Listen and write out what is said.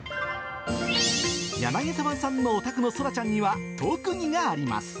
柳澤さんのお宅の宙ちゃんには、特技があります。